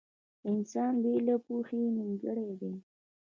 • انسان بې له پوهې نيمګړی دی.